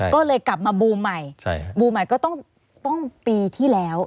ก็เลยกลับมาบูมใหม่บูมใหม่ก็ต้องปีที่แล้ว